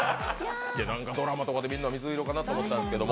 ドラマとかでみんな水色かと思ったんですけど。